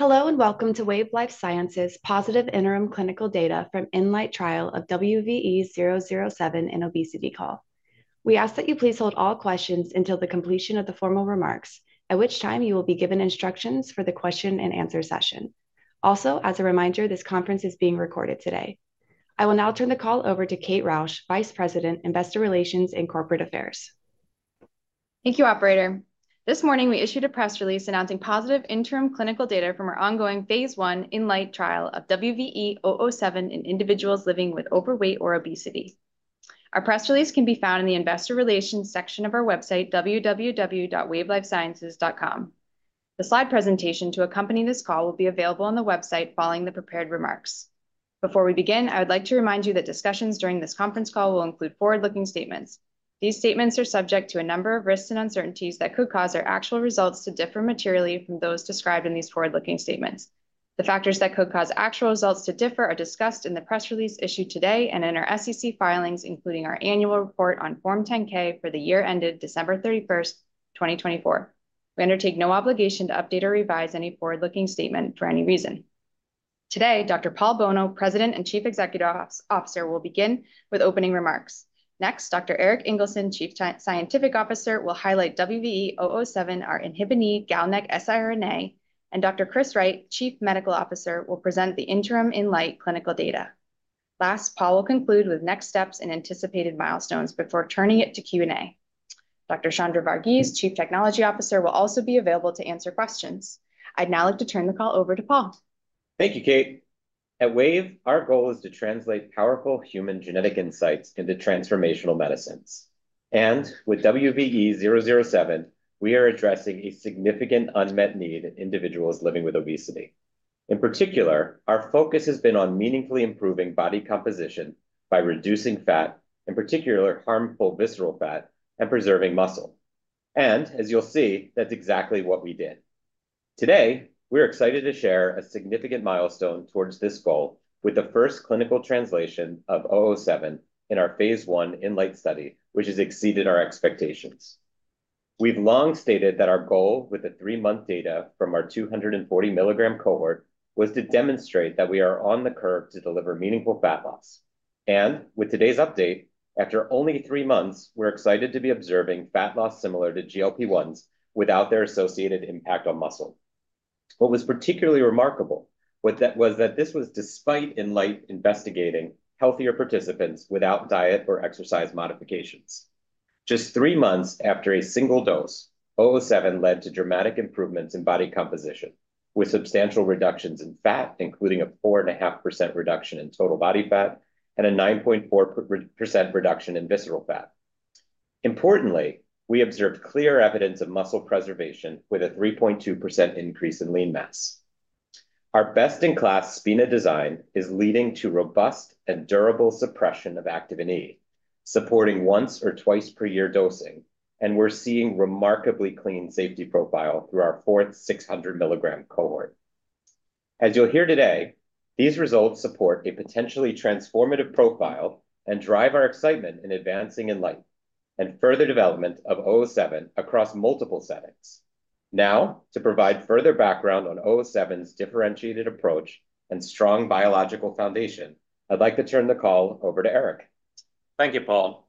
Hello and welcome to Wave Life Sciences' positive interim clinical data from the INLIGHT trial of WVE-007 and obesity call. We ask that you please hold all questions until the completion of the formal remarks, at which time you will be given instructions for the question-and-answer session. Also, as a reminder, this conference is being recorded today. I will now turn the call over to Kate Rausch, Vice President, Investor Relations and Corporate Affairs. Thank you, Operator. This morning, we issued a press release announcing positive interim clinical data from our ongoing phase I INLIGHT trial of WVE-007 in individuals living with overweight or obesity. Our press release can be found in the Investor Relations section of our website, www.wavelifesciences.com. The slide presentation to accompany this call will be available on the website following the prepared remarks. Before we begin, I would like to remind you that discussions during this conference call will include forward-looking statements. These statements are subject to a number of risks and uncertainties that could cause our actual results to differ materially from those described in these forward-looking statements. The factors that could cause actual results to differ are discussed in the press release issued today and in our SEC filings, including our annual report on Form 10-K for the year ended December 31, 2024. We undertake no obligation to update or revise any forward-looking statement for any reason. Today, Dr. Paul Bolno, President and Chief Executive Officer, will begin with opening remarks. Next, Dr. Erik Ingelsson, Chief Scientific Officer, will highlight WVE-007, our INHBE GalNAc-siRNA, and Dr. Chris Wright, Chief Medical Officer, will present the interim INLIGHT clinical data. Last, Paul will conclude with next steps and anticipated milestones before turning it to Q&A. Dr. Chandra Vargeese, Chief Technology Officer, will also be available to answer questions. I'd now like to turn the call over to Paul. Thank you, Kate. At Wave, our goal is to translate powerful human genetic insights into transformational medicines and with WVE-007, we are addressing a significant unmet need in individuals living with obesity. In particular, our focus has been on meaningfully improving body composition by reducing fat, in particular harmful visceral fat, and preserving muscle and as you'll see, that's exactly what we did. Today, we're excited to share a significant milestone towards this goal with the first clinical translation of 007 in our phase I INLIGHT study, which has exceeded our expectations. We've long stated that our goal with the three-month data from our 240-mg cohort was to demonstrate that we are on the curve to deliver meaningful fat loss and with today's update, after only three months, we're excited to be observing fat loss similar to GLP-1s without their associated impact on muscle. What was particularly remarkable was that this was despite INLIGHT investigating healthier participants without diet or exercise modifications. Just three months after a single dose, 007 led to dramatic improvements in body composition, with substantial reductions in fat, including a 4.5% reduction in total body fat and a 9.4% reduction in visceral fat. Importantly, we observed clear evidence of muscle preservation with a 3.2% increase in lean mass. Our best-in-class SpiNA design is leading to robust and durable suppression of Activin E, supporting once or twice per year dosing, and we're seeing remarkably clean safety profile through our fourth 600-mg cohort. As you'll hear today, these results support a potentially transformative profile and drive our excitement in advancing INLIGHT and further development of 007 across multiple settings. Now, to provide further background on 007's differentiated approach and strong biological foundation, I'd like to turn the call over to Erik. Thank you, Paul.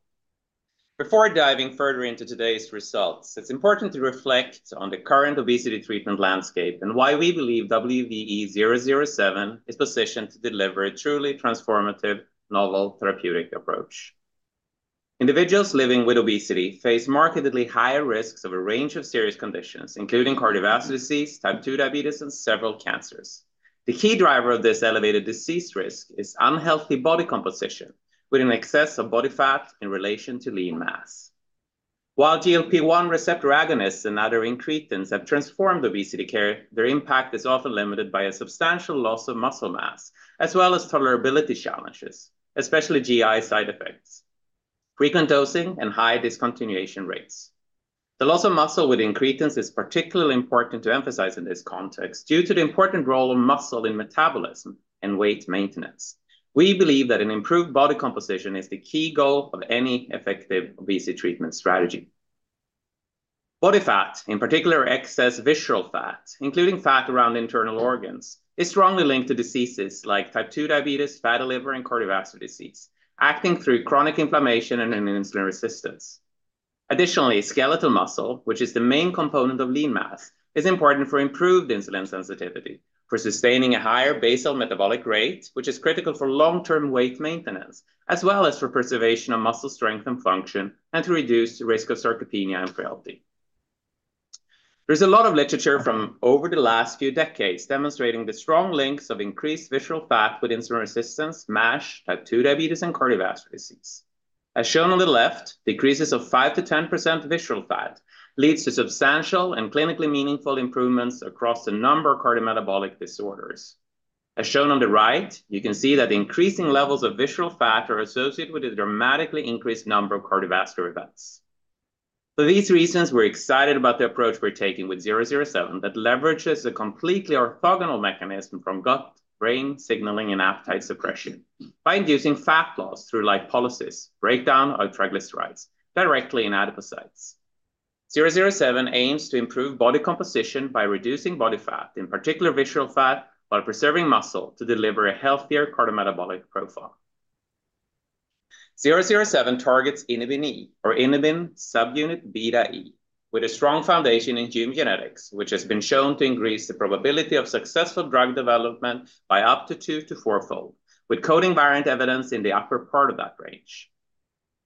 Before diving further into today's results, it's important to reflect on the current obesity treatment landscape and why we believe WVE-007 is positioned to deliver a truly transformative, novel therapeutic approach. Individuals living with obesity face markedly higher risks of a range of serious conditions, including cardiovascular disease, type 2 diabetes, and several cancers. The key driver of this elevated disease risk is unhealthy body composition, with an excess of body fat in relation to lean mass. While GLP-1 receptor agonists and other incretins have transformed obesity care, their impact is often limited by a substantial loss of muscle mass, as well as tolerability challenges, especially GI side effects, frequent dosing, and high discontinuation rates. The loss of muscle with incretins is particularly important to emphasize in this context due to the important role of muscle in metabolism and weight maintenance. We believe that an improved body composition is the key goal of any effective obesity treatment strategy. Body fat, in particular excess visceral fat, including fat around internal organs, is strongly linked to diseases like type 2 diabetes, fatty liver, and cardiovascular disease, acting through chronic inflammation and insulin resistance. Additionally, skeletal muscle, which is the main component of lean mass, is important for improved insulin sensitivity, for sustaining a higher basal metabolic rate, which is critical for long-term weight maintenance, as well as for preservation of muscle strength and function, and to reduce the risk of sarcopenia and frailty. There's a lot of literature from over the last few decades demonstrating the strong links of increased visceral fat with insulin resistance, MASH, type 2 diabetes, and cardiovascular disease. As shown on the left, decreases of 5%-10% visceral fat lead to substantial and clinically meaningful improvements across a number of cardiometabolic disorders. As shown on the right, you can see that increasing levels of visceral fat are associated with a dramatically increased number of cardiovascular events. For these reasons, we're excited about the approach we're taking with 007 that leverages a completely orthogonal mechanism from gut-brain signaling and appetite suppression by inducing fat loss through lipolysis, breakdown of triglycerides, directly in adipocytes. 007 aims to improve body composition by reducing body fat, in particular visceral fat, while preserving muscle to deliver a healthier cardiometabolic profile. WVE-007 targets Inhibin E, or inhibin subunit beta E, with a strong foundation in gene genetics, which has been shown to increase the probability of successful drug development by up to two- to fourfold, with coding variant evidence in the upper part of that range.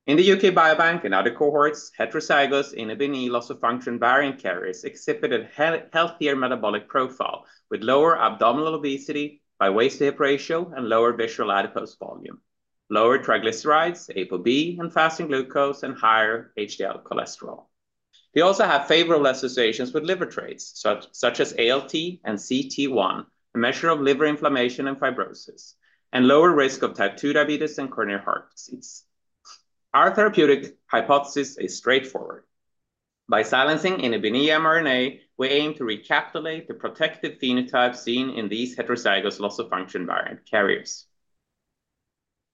In the UK Biobank and other cohorts, heterozygous Inhibin E loss-of-function variant carriers exhibited a healthier metabolic profile with lower abdominal obesity by waist-to-hip ratio and lower visceral adipose volume, lower triglycerides, ApoB, and fasting glucose, and higher HDL cholesterol. We also have favorable associations with liver traits, such as ALT and cT1, a measure of liver inflammation and fibrosis, and lower risk of type 2 diabetes and coronary heart disease. Our therapeutic hypothesis is straightforward. By silencing Inhibin E mRNA, we aim to recapitulate the protective phenotypes seen in these heterozygous loss-of-function variant carriers.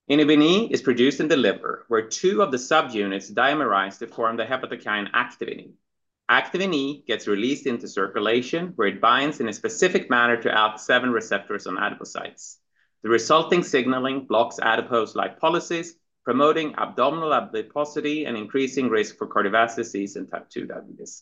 Inhibin E is produced in the liver, where two of the subunits dimerize to form the hepatokine Activin E. Activin E gets released into circulation, where it binds in a specific manner to ALK7 receptors on adipocytes. The resulting signaling blocks adipose lipolysis, promoting abdominal adiposity and increasing risk for cardiovascular disease and type 2 diabetes.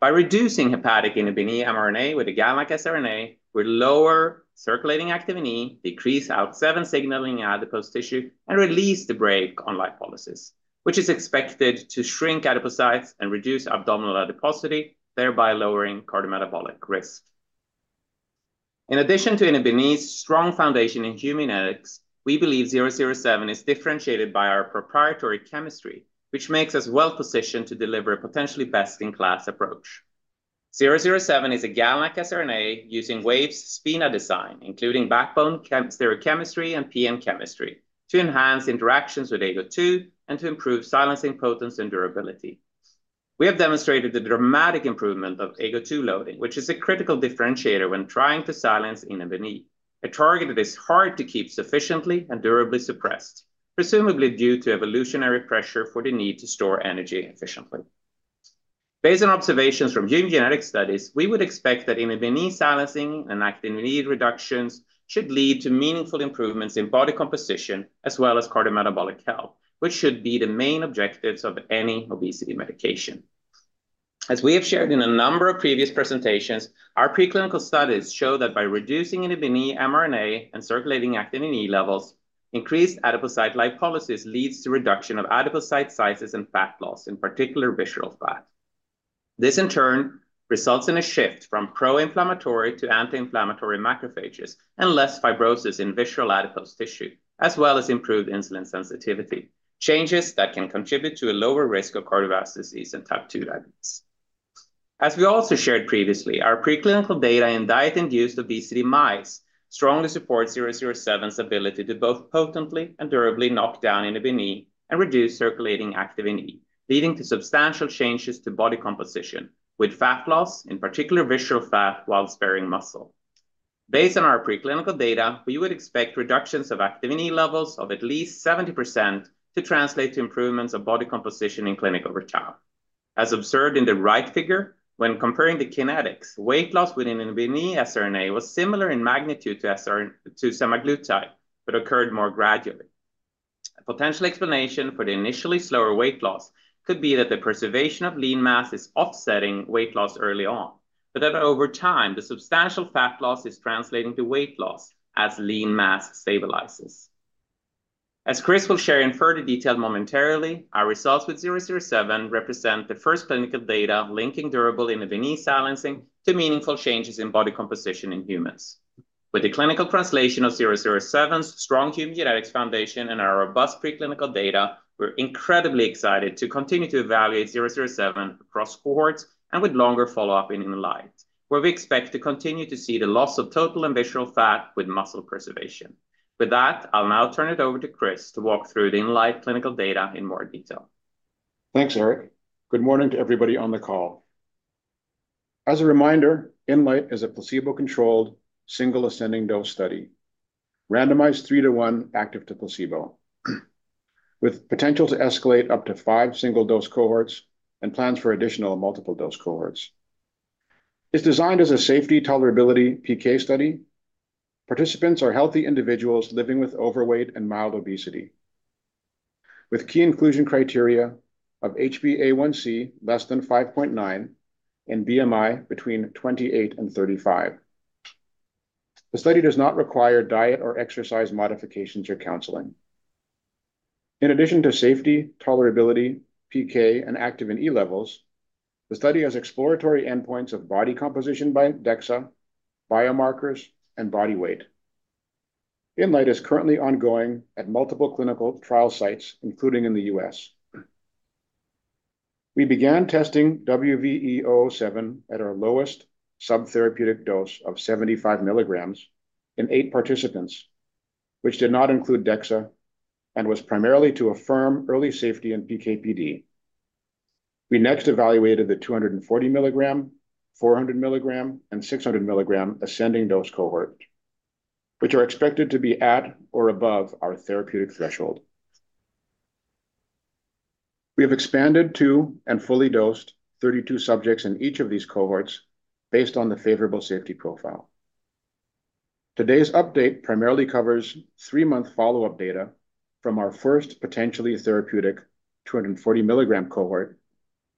By reducing hepatic Inhibin E mRNA with a GalNAc siRNA, we lower circulating Activin E, decrease ALK7 signaling in adipose tissue, and release the brake on lipolysis, which is expected to shrink adipocytes and reduce abdominal adiposity, thereby lowering cardiometabolic risk. In addition to Inhibin E's strong foundation in human genetics, we believe 007 is differentiated by our proprietary chemistry, which makes us well-positioned to deliver a potentially best-in-class approach. 007 is a GalNAc siRNA using Wave's SpiNA design, including backbone stereochemistry and PN chemistry, to enhance interactions with Ago2 and to improve silencing potency and durability. We have demonstrated the dramatic improvement of Ago2 loading, which is a critical differentiator when trying to silence Inhibin E, a target that is hard to keep sufficiently and durably suppressed, presumably due to evolutionary pressure for the need to store energy efficiently. Based on observations from genetic studies, we would expect that Inhibin E silencing and Activin E reductions should lead to meaningful improvements in body composition as well as cardiometabolic health, which should be the main objectives of any obesity medication. As we have shared in a number of previous presentations, our preclinical studies show that by reducing Inhibin E mRNA and circulating Activin E levels, increased adipocyte lipolysis leads to reduction of adipocyte sizes and fat loss, in particular visceral fat. This, in turn, results in a shift from pro-inflammatory to anti-inflammatory macrophages and less fibrosis in visceral adipose tissue, as well as improved insulin sensitivity, changes that can contribute to a lower risk of cardiovascular disease and type 2 diabetes. As we also shared previously, our preclinical data in diet-induced obesity mice strongly supports 007's ability to both potently and durably knock down Inhibin E and reduce circulating Activin E, leading to substantial changes to body composition with fat loss, in particular visceral fat, while sparing muscle. Based on our preclinical data, we would expect reductions of Activin E levels of at least 70% to translate to improvements of body composition in clinical setting. As observed in the right figure, when comparing the kinetics, weight loss with Inhibin E siRNA was similar in magnitude to semaglutide, but occurred more gradually. A potential explanation for the initially slower weight loss could be that the preservation of lean mass is offsetting weight loss early on, but that over time, the substantial fat loss is translating to weight loss as lean mass stabilizes. As Chris will share in further detail momentarily, our results with 007 represent the first clinical data linking durable Inhibin E silencing to meaningful changes in body composition in humans. With the clinical translation of 007's strong human genetics foundation and our robust preclinical data, we're incredibly excited to continue to evaluate 007 across cohorts and with longer follow-up in INLIGHT, where we expect to continue to see the loss of total and visceral fat with muscle preservation. With that, I'll now turn it over to Chris to walk through the INLIGHT clinical data in more detail. Thanks, Erik. Good morning to everybody on the call. As a reminder, INLIGHT is a placebo-controlled single ascending dose study, randomized three to one active to placebo, with potential to escalate up to five single dose cohorts and plans for additional multiple dose cohorts. It's designed as a safety, tolerability, PK study. Participants are healthy individuals living with overweight and mild obesity, with key inclusion criteria of HbA1c less than 5.9 and BMI between 28 and 35. The study does not require diet or exercise modifications or counseling. In addition to safety, tolerability, PK, and activin E levels, the study has exploratory endpoints of body composition by DEXA, biomarkers, and body weight. INLIGHT is currently ongoing at multiple clinical trial sites, including in the U.S. We began testing WVE-007 at our lowest subtherapeutic dose of 75 mg in eight participants, which did not include DEXA and was primarily to affirm early safety in PK-PD. We next evaluated the 240-mg, 400-mg, and 600-mg ascending dose cohort, which are expected to be at or above our therapeutic threshold. We have expanded to and fully dosed 32 subjects in each of these cohorts based on the favorable safety profile. Today's update primarily covers three-month follow-up data from our first potentially therapeutic 240-mg cohort,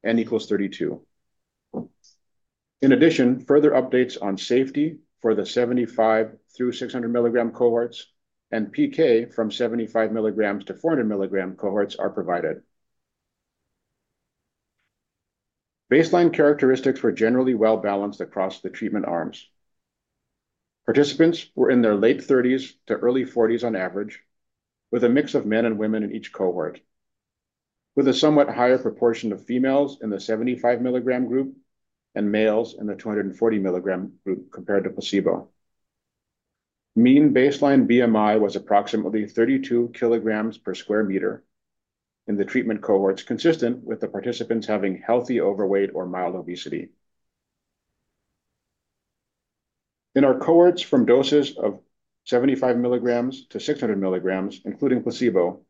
N equals 32. In addition, further updates on safety for the 75 mg through 600-mg cohorts and PK from 75 mg to 400 mg cohorts are provided. Baseline characteristics were generally well-balanced across the treatment arms. Participants were in their late 30s to early 40s on average, with a mix of men and women in each cohort, with a somewhat higher proportion of females in the 75-mg group and males in the 240-mg group compared to placebo. Mean baseline BMI was approximately 32 kilograms per square meter in the treatment cohorts, consistent with the participants having healthy overweight or mild obesity. In our cohorts from doses of 75 mgs to 600 mgs, including placebo,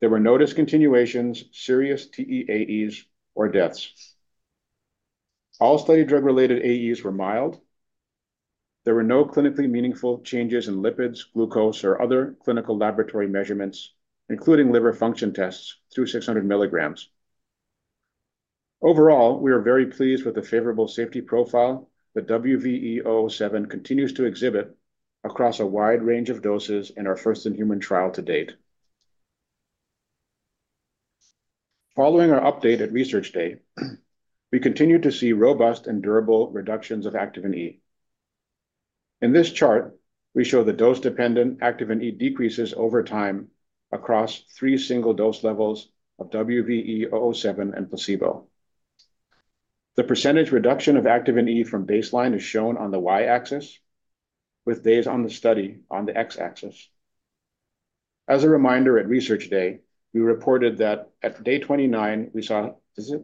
there were no discontinuations, serious TEAEs, or deaths. All study drug-related AEs were mild. There were no clinically meaningful changes in lipids, glucose, or other clinical laboratory measurements, including liver function tests through 600 mgs. Overall, we are very pleased with the favorable safety profile that WVE-007 continues to exhibit across a wide range of doses in our first-in-human trial to date. Following our update at research day, we continue to see robust and durable reductions of Activin E. In this chart, we show the dose-dependent Activin E decreases over time across three single dose levels of WVE-007 and placebo. The percentage reduction of Activin E from baseline is shown on the Y-axis, with days on the study on the X-axis. As a reminder, at research day, we reported that at day 29, we saw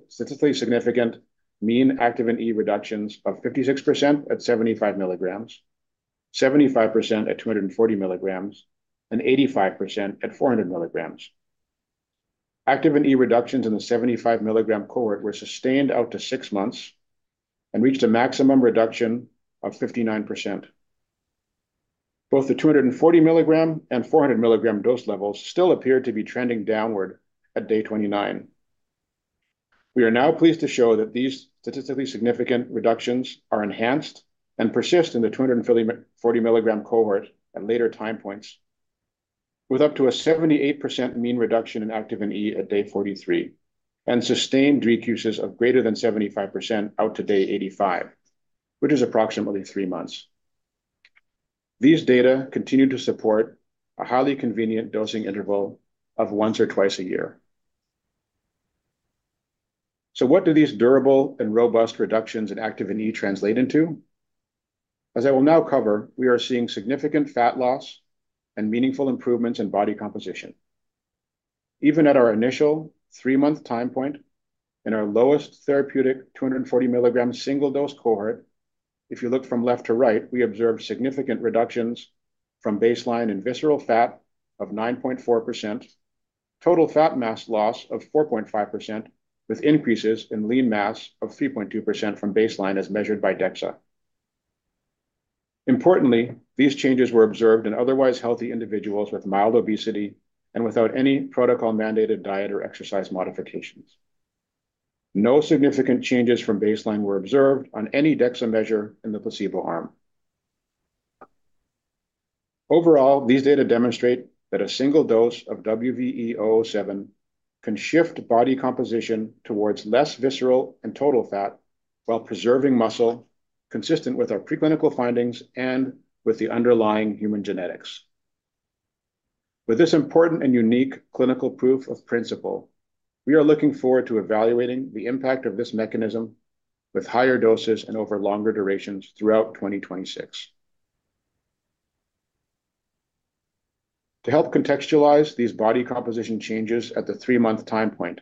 statistically significant mean Activin E reductions of 56% at 75 mgs, 75% at 240 mgs, and 85% at 400 mgs. Activin E reductions in the 75-mg cohort were sustained out to six months and reached a maximum reduction of 59%. Both the 240-mg and 400-mg dose levels still appear to be trending downward at day 29. We are now pleased to show that these statistically significant reductions are enhanced and persist in the 240-mg cohort at later time points, with up to a 78% mean reduction in Activin E at day 43 and sustained decreases of greater than 75% out to day 85, which is approximately three months. These data continue to support a highly convenient dosing interval of once or twice a year. So what do these durable and robust reductions in Activin E translate into? As I will now cover, we are seeing significant fat loss and meaningful improvements in body composition. Even at our initial three-month time point, in our lowest therapeutic 240-mg single dose cohort, if you look from left to right, we observed significant reductions from baseline in visceral fat of 9.4%, total fat mass loss of 4.5%, with increases in lean mass of 3.2% from baseline as measured by DEXA. Importantly, these changes were observed in otherwise healthy individuals with mild obesity and without any protocol-mandated diet or exercise modifications. No significant changes from baseline were observed on any DEXA measure in the placebo arm. Overall, these data demonstrate that a single dose of WVE-007 can shift body composition towards less visceral and total fat while preserving muscle, consistent with our preclinical findings and with the underlying human genetics. With this important and unique clinical proof of principle, we are looking forward to evaluating the impact of this mechanism with higher doses and over longer durations throughout 2026. To help contextualize these body composition changes at the three-month time point,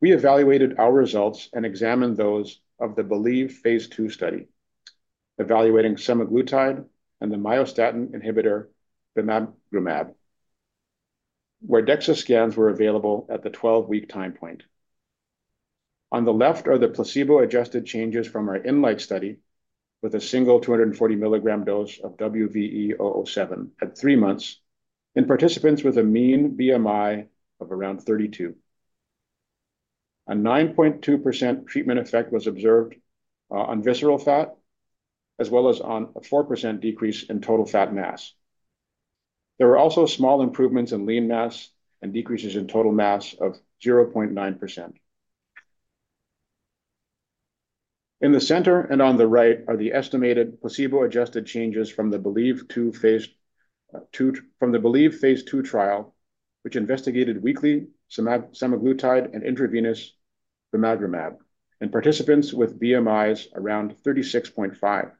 we evaluated our results and examined those of the BELIEVE phase II study, evaluating semaglutide and the myostatin inhibitor, bimagrumab, where DEXA scans were available at the 12-week time point. On the left are the placebo-adjusted changes from our INLIGHT study with a single 240-mg dose of WVE-007 at three months in participants with a mean BMI of around 32. A 9.2% treatment effect was observed on visceral fat, as well as a 4% decrease in total fat mass. There were also small improvements in lean mass and decreases in total mass of 0.9%. In the center and on the right are the estimated placebo-adjusted changes from the BELIEVE phase II trial, which investigated weekly semaglutide and intravenous bimagrumab in participants with BMIs around 36.5.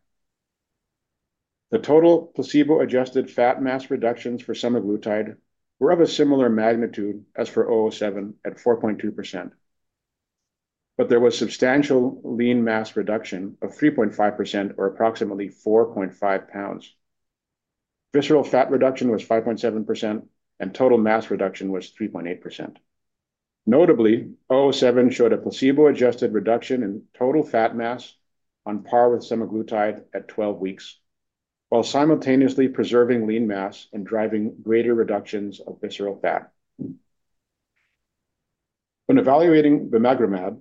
The total placebo-adjusted fat mass reductions for semaglutide were of a similar magnitude as for 007 at 4.2%, but there was substantial lean mass reduction of 3.5% or approximately 4.5 pounds. Visceral fat reduction was 5.7%, and total mass reduction was 3.8%. Notably, 007 showed a placebo-adjusted reduction in total fat mass on par with semaglutide at 12 weeks, while simultaneously preserving lean mass and driving greater reductions of visceral fat. When evaluating bimagrumab,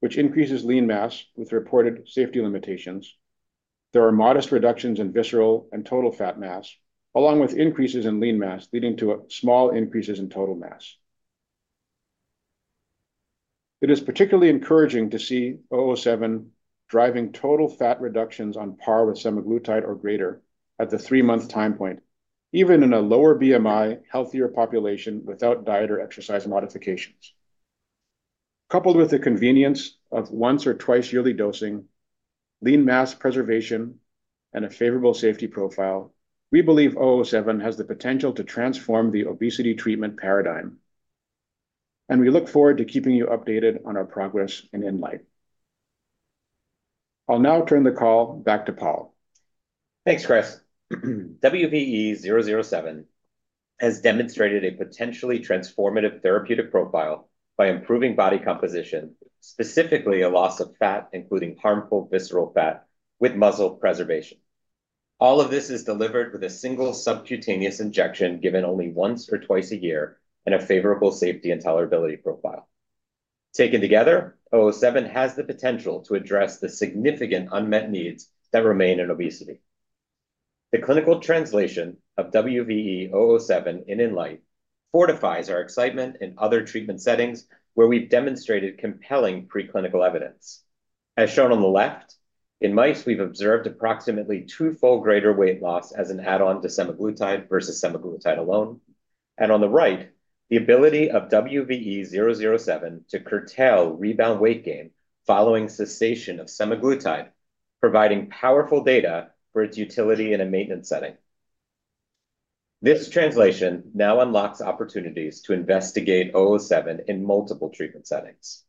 which increases lean mass with reported safety limitations, there are modest reductions in visceral and total fat mass, along with increases in lean mass leading to small increases in total mass. It is particularly encouraging to see 007 driving total fat reductions on par with semaglutide or greater at the three-month time point, even in a lower BMI, healthier population without diet or exercise modifications. Coupled with the convenience of once or twice yearly dosing, lean mass preservation, and a favorable safety profile, we believe 007 has the potential to transform the obesity treatment paradigm, and we look forward to keeping you updated on our progress in INLIGHT. I'll now turn the call back to Paul. Thanks, Chris. WVE-007 has demonstrated a potentially transformative therapeutic profile by improving body composition, specifically a loss of fat, including harmful visceral fat, with muscle preservation. All of this is delivered with a single subcutaneous injection given only once or twice a year and a favorable safety and tolerability profile. Taken together, 007 has the potential to address the significant unmet needs that remain in obesity. The clinical translation of WVE-007 in INLIGHT fortifies our excitement in other treatment settings where we've demonstrated compelling preclinical evidence. As shown on the left, in mice, we've observed approximately twofold greater weight loss as an add-on to semaglutide versus semaglutide alone. And on the right, the ability of WVE-007 to curtail rebound weight gain following cessation of semaglutide, providing powerful data for its utility in a maintenance setting. This translation now unlocks opportunities to investigate 007 in multiple treatment settings.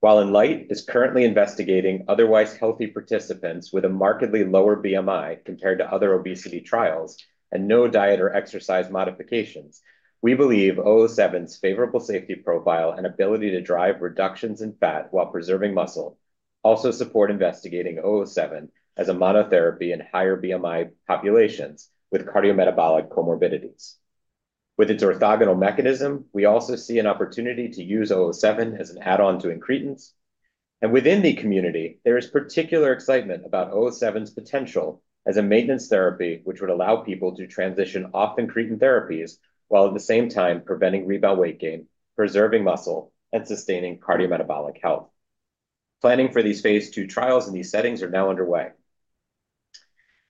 While INLIGHT is currently investigating otherwise healthy participants with a markedly lower BMI compared to other obesity trials and no diet or exercise modifications, we believe 007's favorable safety profile and ability to drive reductions in fat while preserving muscle also support investigating 007 as a monotherapy in higher BMI populations with cardiometabolic comorbidities. With its orthogonal mechanism, we also see an opportunity to use 007 as an add-on to incretins. And within the community, there is particular excitement about 007's potential as a maintenance therapy, which would allow people to transition off incretin therapies while at the same time preventing rebound weight gain, preserving muscle, and sustaining cardiometabolic health. Planning for these phase II trials in these settings is now underway.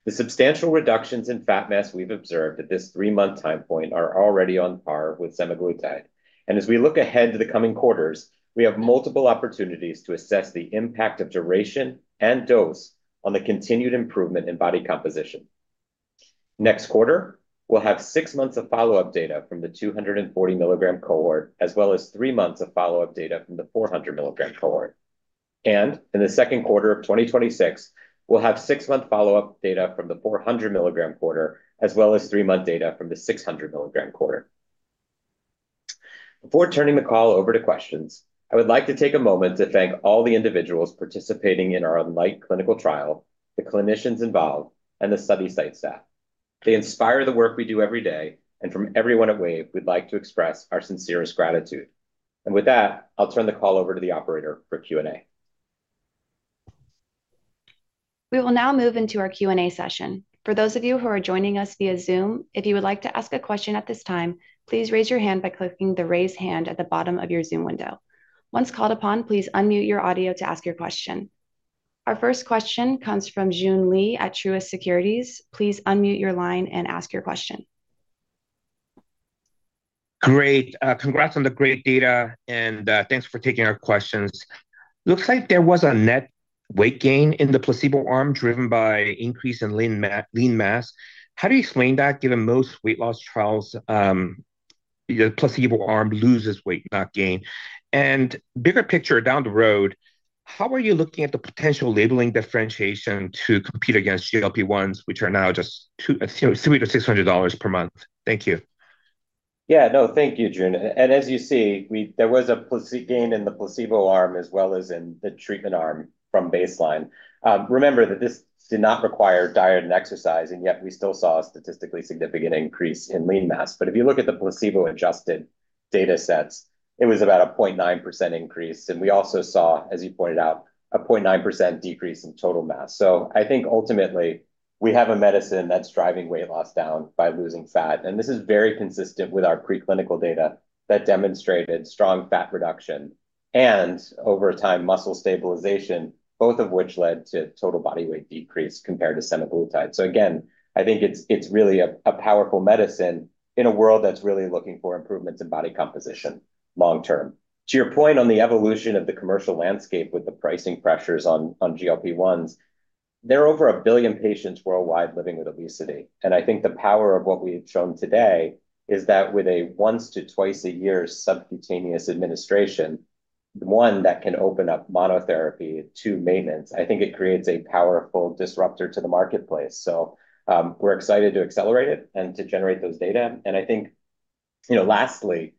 The substantial reductions in fat mass we've observed at this three-month time point are already on par with semaglutide. As we look ahead to the coming quarters, we have multiple opportunities to assess the impact of duration and dose on the continued improvement in body composition. Next quarter, we'll have six months of follow-up data from the 240-mg cohort, as well as three months of follow-up data from the 400-mg cohort. In the second quarter of 2026, we'll have six-month follow-up data from the 400-mg cohort, as well as three-month data from the 600-mg cohort. Before turning the call over to questions, I would like to take a moment to thank all the individuals participating in our INLIGHT clinical trial, the clinicians involved, and the study site staff. They inspire the work we do every day, and from everyone at Wave, we'd like to express our sincerest gratitude. With that, I'll turn the call over to the operator for Q&A. We will now move into our Q&A session. For those of you who are joining us via Zoom, if you would like to ask a question at this time, please raise your hand by clicking the raise hand at the bottom of your Zoom window. Once called upon, please unmute your audio to ask your question. Our first question comes from Joon Lee at Truist Securities. Please unmute your line and ask your question. Great. Congrats on the great data, and thanks for taking our questions. Looks like there was a net weight gain in the placebo arm driven by increase in lean mass. How do you explain that, given most weight loss trials, the placebo arm loses weight, not gain? And bigger picture down the road, how are you looking at the potential labeling differentiation to compete against GLP-1s, which are now just $300-$600 per month? Thank you. Yeah, no, thank you, Joon. And as you see, there was a gain in the placebo arm as well as in the treatment arm from baseline. Remember that this did not require diet and exercise, and yet we still saw a statistically significant increase in lean mass. But if you look at the placebo-adjusted data sets, it was about a 0.9% increase. And we also saw, as you pointed out, a 0.9% decrease in total mass. So I think ultimately, we have a medicine that's driving weight loss down by losing fat. And this is very consistent with our preclinical data that demonstrated strong fat reduction and, over time, muscle stabilization, both of which led to total body weight decrease compared to semaglutide. So again, I think it's really a powerful medicine in a world that's really looking for improvements in body composition long-term. To your point on the evolution of the commercial landscape with the pricing pressures on GLP-1s, there are over a billion patients worldwide living with obesity. And I think the power of what we've shown today is that with a once to twice-a-year subcutaneous administration, the one that can open up monotherapy to maintenance, I think it creates a powerful disruptor to the marketplace. So we're excited to accelerate it and to generate those data. And I think, you know, lastly,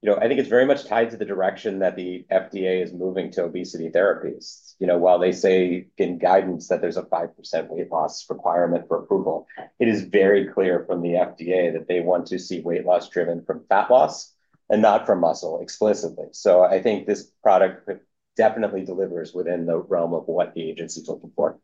you know, I think it's very much tied to the direction that the FDA is moving to obesity therapies. You know, while they say in guidance that there's a 5% weight loss requirement for approval, it is very clear from the FDA that they want to see weight loss driven from fat loss and not from muscle explicitly. I think this product definitely delivers within the realm of what the agency is looking for.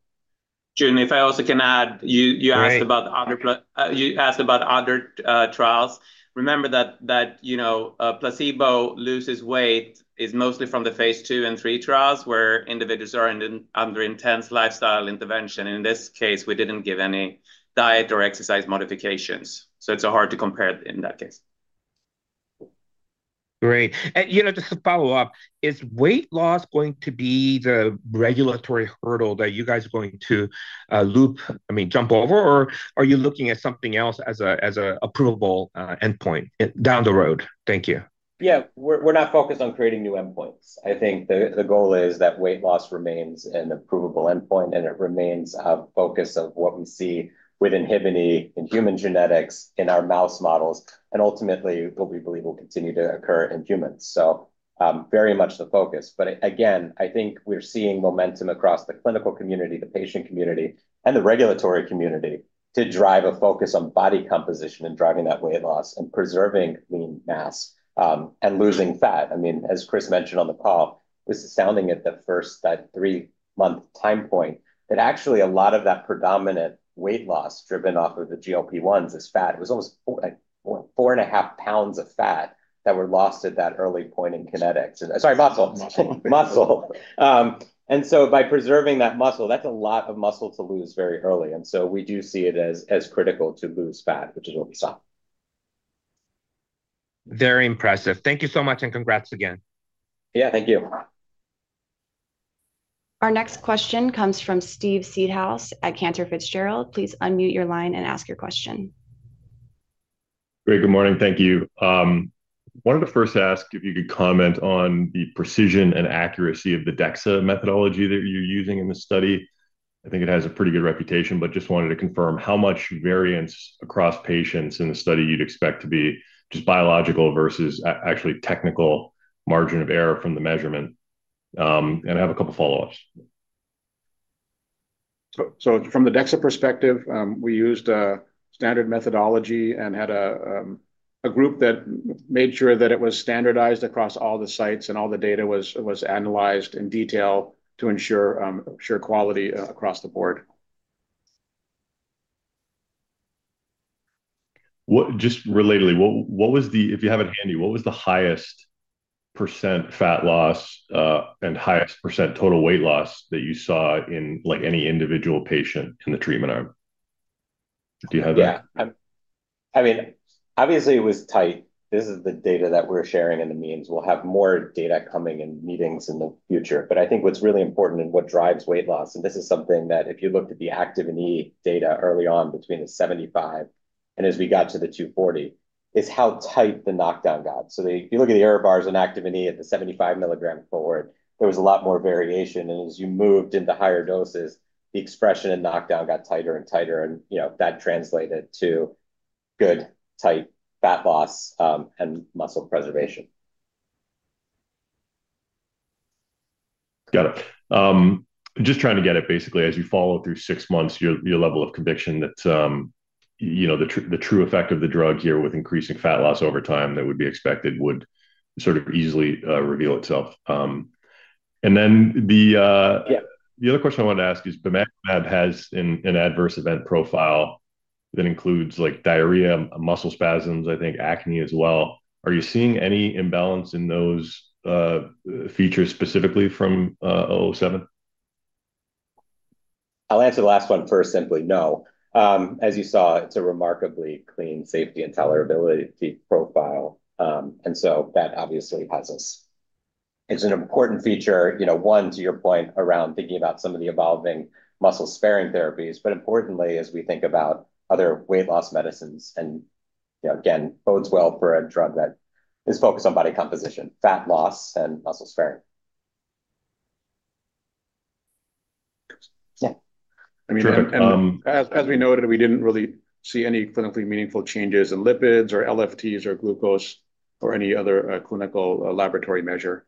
Joon, if I also can add, you asked about other trials. Remember that, you know, placebo loses weight is mostly from the phase II and III trials where individuals are under intense lifestyle intervention. In this case, we didn't give any diet or exercise modifications. So it's hard to compare in that case. Great. And, you know, just to follow up, is weight loss going to be the regulatory hurdle that you guys are going to hoop, I mean, jump over, or are you looking at something else as an approval endpoint down the road? Thank you. Yeah, we're not focused on creating new endpoints. I think the goal is that weight loss remains an approval endpoint, and it remains a focus of what we see with inhibiting human genetics in our mouse models and ultimately what we believe will continue to occur in humans. So very much the focus. But again, I think we're seeing momentum across the clinical community, the patient community, and the regulatory community to drive a focus on body composition and driving that weight loss and preserving lean mass and losing fat. I mean, as Chris mentioned on the call, we're sounding at the first three-month time point that actually a lot of that predominant weight loss driven off of the GLP-1s is fat. It was almost 4.5 pounds of fat that were lost at that early point in kinetics. Sorry, muscle. Muscle. And so by preserving that muscle, that's a lot of muscle to lose very early. And so we do see it as critical to lose fat, which is what we saw. Very impressive. Thank you so much and congrats again. Yeah, thank you. Our next question comes from Steve Seedhouse at Cantor Fitzgerald. Please unmute your line and ask your question. Great. Good morning. Thank you. I wanted to first ask if you could comment on the precision and accuracy of the DEXA methodology that you're using in this study. I think it has a pretty good reputation, but just wanted to confirm how much variance across patients in the study you'd expect to be just biological versus actually technical margin of error from the measurement. And I have a couple of follow-ups. From the DEXA perspective, we used a standard methodology and had a group that made sure that it was standardized across all the sites and all the data was analyzed in detail to ensure quality across the board. Just relatedly, what was the, if you have it handy, what was the highest percent fat loss and highest percent total weight loss that you saw in any individual patient in the treatment arm? Do you have that? Yeah. I mean, obviously, it was tight. This is the data that we're sharing in the meantime. We'll have more data coming in meetings in the future. But I think what's really important and what drives weight loss, and this is something that if you looked at the Activin E data early on between the 75 and as we got to the 240, is how tight the knockdown got. So if you look at the error bars on Activin E at the 75-mg cohort, there was a lot more variation. And as you moved into higher doses, the expression and knockdown got tighter and tighter, and that translated to good, tight fat loss and muscle preservation. Got it. Just trying to get it basically, as you follow through six months, your level of conviction that the true effect of the drug here with increasing fat loss over time that would be expected would sort of easily reveal itself. And then the other question I wanted to ask is, bimagrumab has an adverse event profile that includes diarrhea, muscle spasms, I think acne as well. Are you seeing any imbalance in those features specifically from 007? I'll answer the last one first, simply. No. As you saw, it's a remarkably clean safety and tolerability profile, and so that obviously has us. It's an important feature, one, to your point around thinking about some of the evolving muscle sparing therapies, but importantly, as we think about other weight loss medicines, and again, bodes well for a drug that is focused on body composition, fat loss, and muscle sparing. Yeah. I mean, as we noted, we didn't really see any clinically meaningful changes in lipids or LFTs or glucose or any other clinical laboratory measure.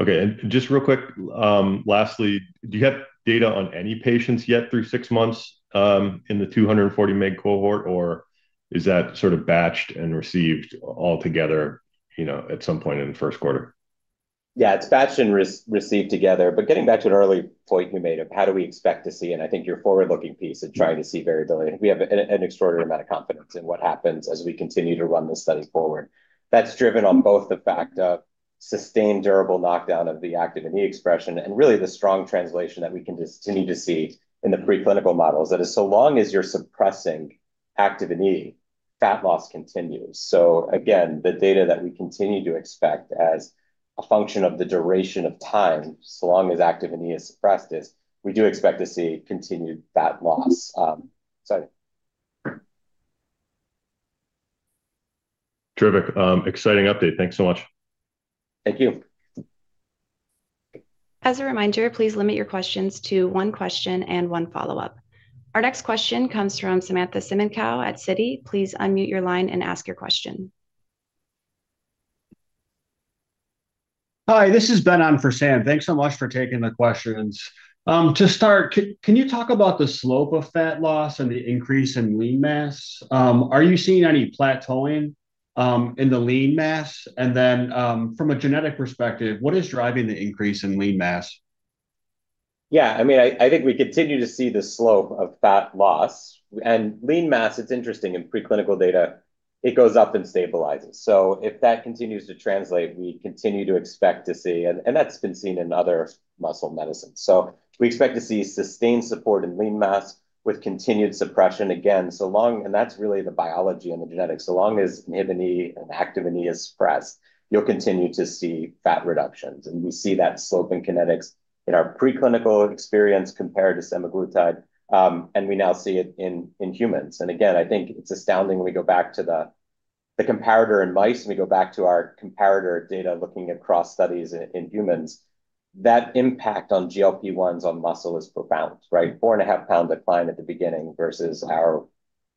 Okay, and just real quick, lastly, do you have data on any patients yet through six months in the 240-mg cohort, or is that sort of batched and received all together at some point in the first quarter? Yeah, it's batched and received together. But getting back to an early point we made of how do we expect to see, and I think your forward-looking piece and trying to see variability, we have an extraordinary amount of confidence in what happens as we continue to run this study forward. That's driven on both the fact of sustained durable knockdown of the Activin E expression and really the strong translation that we can continue to see in the preclinical models that is, so long as you're suppressing Activin E, fat loss continues. So again, the data that we continue to expect as a function of the duration of time, so long as Activin E is suppressed, is we do expect to see continued fat loss. Terrific. Exciting update. Thanks so much. Thank you. As a reminder, please limit your questions to one question and one follow-up. Our next question comes from Samantha Semenkow at Citi. Please unmute your line and ask your question. Hi, this is Ben on for Sam. Thanks so much for taking the questions. To start, can you talk about the slope of fat loss and the increase in lean mass? Are you seeing any plateauing in the lean mass? And then from a genetic perspective, what is driving the increase in lean mass? Yeah. I mean, I think we continue to see the slope of fat loss. And lean mass, it's interesting in preclinical data, it goes up and stabilizes. So if that continues to translate, we continue to expect to see, and that's been seen in other muscle medicines. So we expect to see sustained support in lean mass with continued suppression again. And that's really the biology and the genetics. So long as Inhibin E and Activin E is suppressed, you'll continue to see fat reductions. And we see that slope in kinetics in our preclinical experience compared to semaglutide. And we now see it in humans. And again, I think it's astounding when we go back to the comparator in mice and we go back to our comparator data looking at cross studies in humans, that impact on GLP-1s on muscle is profound, right? 4.5-pound decline at the beginning versus ours,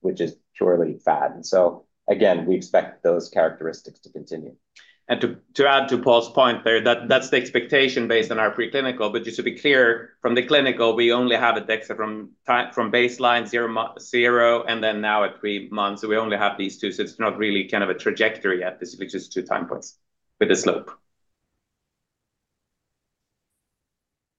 which is purely fat. And so again, we expect those characteristics to continue. And to add to Paul's point there, that's the expectation based on our preclinical. But just to be clear, from the clinical, we only have a DEXA from baseline zero, and then now at three months, we only have these two. So it's not really kind of a trajectory yet, which is two time points with the slope.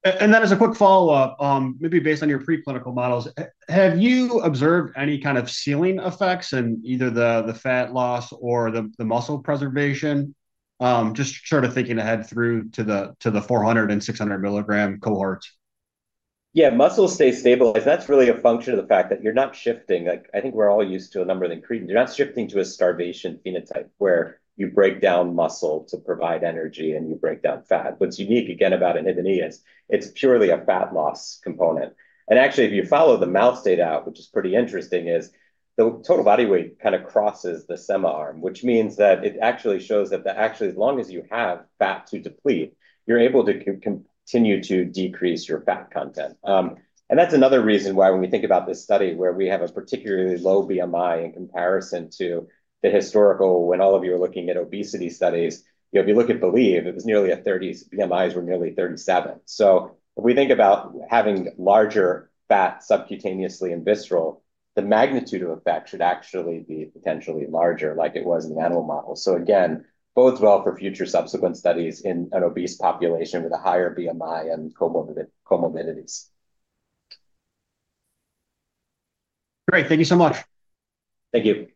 Then as a quick follow-up, maybe based on your preclinical models, have you observed any kind of ceiling effects in either the fat loss or the muscle preservation, just sort of thinking ahead through to the 400- and 600-mg cohorts? Yeah, muscles stay stabilized. That's really a function of the fact that you're not shifting. I think we're all used to a number of increases. You're not shifting to a starvation phenotype where you break down muscle to provide energy and you break down fat. What's unique again about Inhibin E is it's purely a fat loss component. And actually, if you follow the mouse data out, which is pretty interesting, is the total body weight kind of crosses the semaglutide arm, which means that it actually shows that actually as long as you have fat to deplete, you're able to continue to decrease your fat content. And that's another reason why when we think about this study where we have a particularly low BMI in comparison to the historical when all of you were looking at obesity studies, if you look at BELIEVE, it was nearly a 30s. BMIs were nearly 37. So if we think about having larger fat subcutaneously in visceral, the magnitude of effect should actually be potentially larger like it was in the animal model. So again, bodes well for future subsequent studies in an obese population with a higher BMI and comorbidities. Great. Thank you so much. Thank you.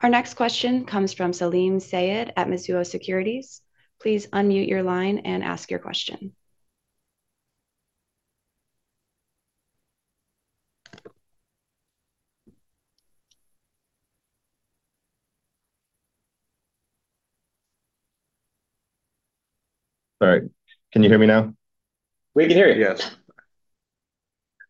Our next question comes from Salim Syed at Mizuho Securities. Please unmute your line and ask your question. All right. Can you hear me now? We can hear you. Yes.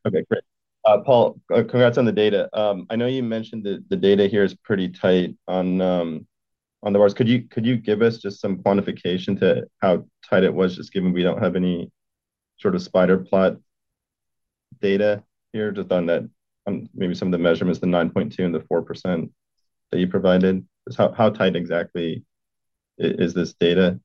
Okay. Great. Paul, congrats on the data. I know you mentioned that the data here is pretty tight on the bars. Could you give us just some quantification to how tight it was, just given we don't have any sort of spider plot data here just on maybe some of the measurements, the 9.2% and the 4% that you provided? How tight exactly is this data?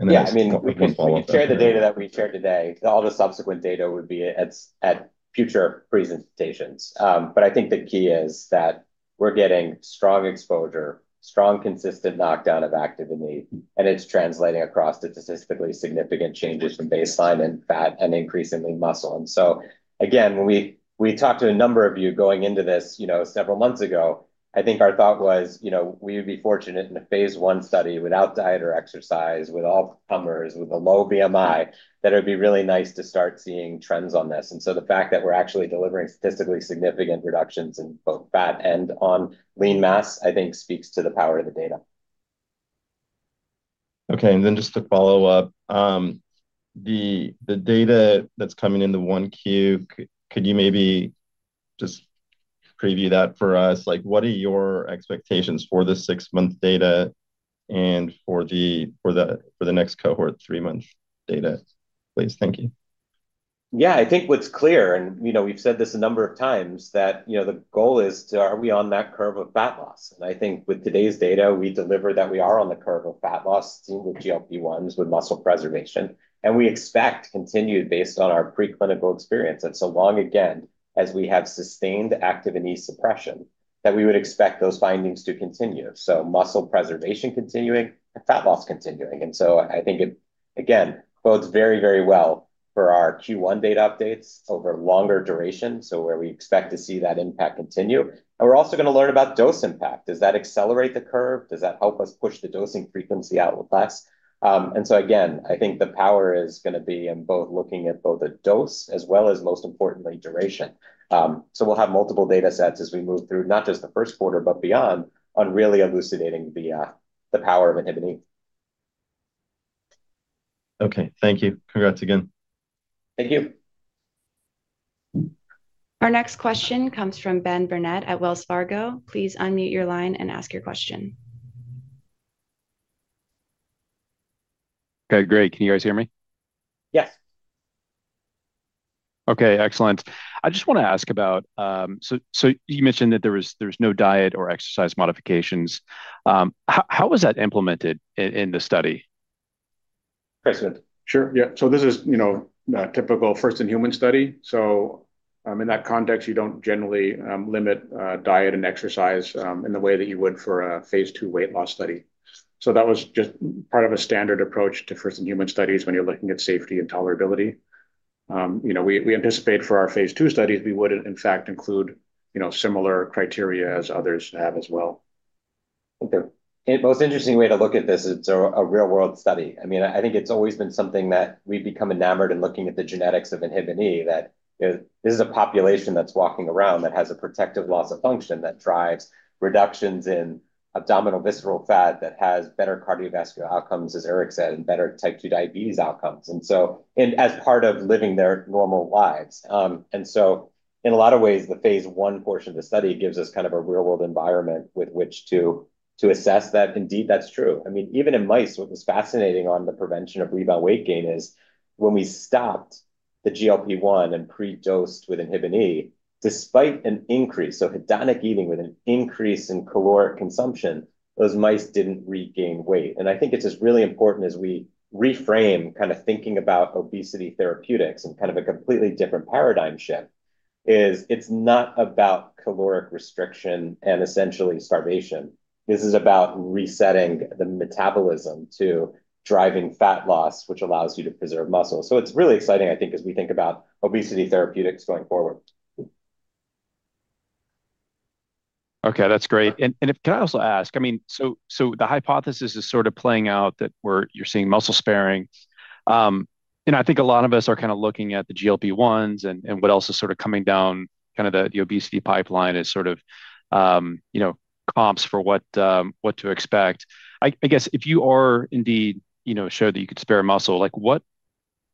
Yeah. I mean, we can share the data that we shared today. All the subsequent data would be at future presentations. But I think the key is that we're getting strong exposure, strong consistent knockdown of Activin E, and it's translating across to statistically significant changes from baseline in fat and increasingly muscle. And so again, when we talked to a number of you going into this several months ago, I think our thought was we would be fortunate in a phase I study without diet or exercise, with all normals, with a low BMI, that it would be really nice to start seeing trends on this. And so the fact that we're actually delivering statistically significant reductions in both fat and on lean mass, I think, speaks to the power of the data. Okay. And then just to follow up, the data that's coming in the 1Q, could you maybe just preview that for us? What are your expectations for the six-month data and for the next cohort three-month data, please? Thank you. Yeah. I think what's clear, and we've said this a number of times, that the goal is, are we on that curve of fat loss? And I think with today's data, we deliver that we are on the curve of fat loss with GLP-1s, with muscle preservation. And we expect continued based on our preclinical experience that so long again as we have sustained Activin E suppression, that we would expect those findings to continue. So muscle preservation continuing and fat loss continuing. And so I think it, again, bodes very, very well for our Q1 data updates over longer duration, so where we expect to see that impact continue. And we're also going to learn about dose impact. Does that accelerate the curve? Does that help us push the dosing frequency out with less? Again, I think the power is going to be in both looking at both the dose as well as, most importantly, duration. We'll have multiple data sets as we move through not just the first quarter, but beyond on really elucidating the power of Inhibin E. Okay. Thank you. Congrats again. Thank you. Our next question comes from Ben Burnett at Wells Fargo. Please unmute your line and ask your question. Okay. Great. Can you guys hear me? Yes. Okay. Excellent. I just want to ask about, so you mentioned that there was no diet or exercise modifications. How was that implemented in the study? Excellent. Sure. Yeah, so this is a typical first-in-human study. So in that context, you don't generally limit diet and exercise in the way that you would for a phase II weight loss study, so that was just part of a standard approach to first-in-human studies when you're looking at safety and tolerability. We anticipate for our phase II studies, we would, in fact, include similar criteria as others have as well. Okay. Most interesting way to look at this is a real-world study. I mean, I think it's always been something that we've become enamored in looking at the genetics of Inhibin E that this is a population that's walking around that has a protective loss of function that drives reductions in abdominal visceral fat that has better cardiovascular outcomes, as Erik said, and better type 2 diabetes outcomes, and as part of living their normal lives and so in a lot of ways, the phase I portion of the study gives us kind of a real-world environment with which to assess that indeed that's true. I mean, even in mice, what was fascinating on the prevention of rebound weight gain is when we stopped the GLP-1 and predosed with Inhibin E, despite an increase, so hedonic eating with an increase in caloric consumption, those mice didn't regain weight. And I think it's just really important as we reframe kind of thinking about obesity therapeutics and kind of a completely different paradigm shift. It's not about caloric restriction and essentially starvation. This is about resetting the metabolism to driving fat loss, which allows you to preserve muscle. So it's really exciting, I think, as we think about obesity therapeutics going forward. Okay. That's great. And can I also ask? I mean, so the hypothesis is sort of playing out that you're seeing muscle sparing. And I think a lot of us are kind of looking at the GLP-1s and what else is sort of coming down kind of the obesity pipeline as sort of comps for what to expect. I guess if you are indeed sure that you could spare muscle, I'd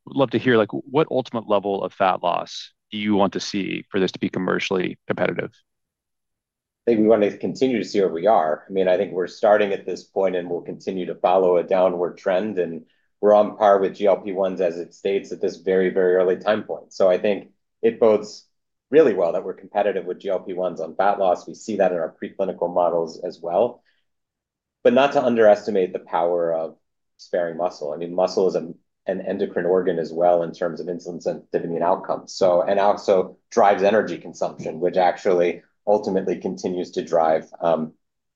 love to hear what ultimate level of fat loss do you want to see for this to be commercially competitive? I think we want to continue to see where we are. I mean, I think we're starting at this point, and we'll continue to follow a downward trend, and we're on par with GLP-1s as it states at this very, very early time point. So I think it bodes really well that we're competitive with GLP-1s on fat loss. We see that in our preclinical models as well, but not to underestimate the power of sparing muscle. I mean, muscle is an endocrine organ as well in terms of insulin sensitivity and outcomes, and also drives energy consumption, which actually ultimately continues to drive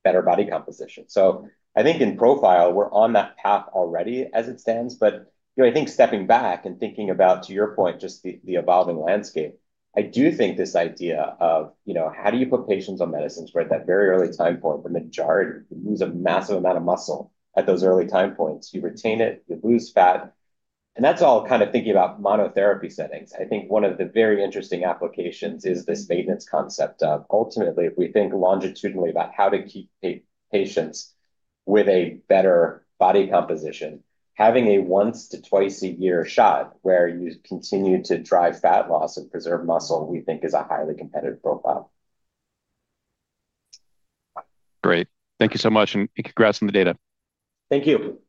better body composition, so I think in profile, we're on that path already as it stands. But I think stepping back and thinking about, to your point, just the evolving landscape, I do think this idea of how do you put patients on medicines where at that very early time point, the majority lose a massive amount of muscle at those early time points? You retain it, you lose fat. And that's all kind of thinking about monotherapy settings. I think one of the very interesting applications is this maintenance concept of ultimately, if we think longitudinally about how to keep patients with a better body composition, having a once to twice-a-year shot where you continue to drive fat loss and preserve muscle, we think is a highly competitive profile. Great. Thank you so much. And congrats on the data. Thank you.